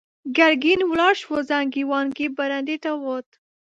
ګرګين ولاړ شو، زانګې وانګې برنډې ته ووت.